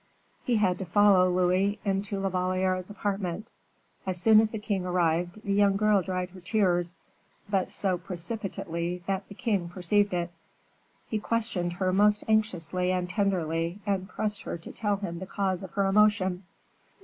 He had to follow Louis into La Valliere's apartment. As soon as the king arrived the young girl dried her tears, but so precipitately that the king perceived it. He questioned her most anxiously and tenderly, and pressed her to tell him the cause of her emotion.